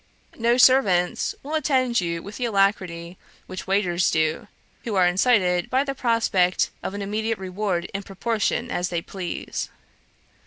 No servants will attend you with the alacrity which waiters do, who are incited by the prospect of an immediate reward in proportion as they please.